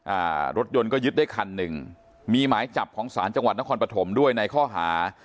อ่ารถยนต์ก็ยึดได้คันหนึ่งมีหมายจับของศาลจังหวัดนครปฐมด้วยในข้อหา